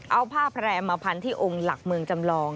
เอาผ้าแพร่มาพันที่องค์หลักเมืองจำลอง